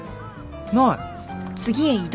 ない。